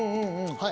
はい。